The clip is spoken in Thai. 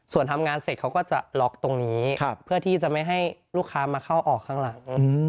ส่วนทำงานเสร็จเขาก็จะล็อกตรงนี้เพื่อที่จะไม่ให้ลูกค้ามาเข้าออกข้างหลัง